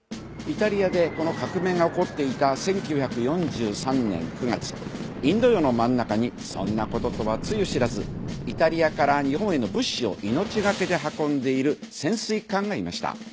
イタリアでこの革命が起こっていた１９４３年９月インド洋の真ん中にそんなこととはつゆ知らずイタリアから日本への物資を命懸けで運んでいる潜水艦がいました。